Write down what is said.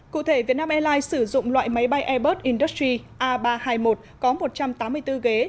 cụ thể việt nam airlines sử dụng loại máy bay airbus industry a ba trăm hai mươi một có một trăm tám mươi bốn ghế